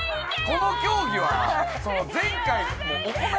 この競技は前回も。